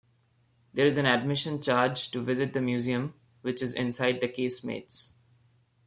There is an admission charge to visit the museum which is inside the casemates.